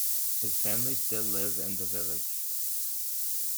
His family still live in the village.